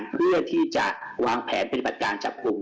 เพื่อที่จะวางแผนเป็นปรับการจับถุง